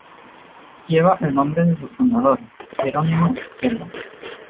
Lleva el nombre de su fundador, Gerónimo Cello.